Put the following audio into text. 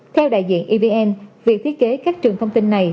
theo đại diện evn việc thiết kế các trường thông tin này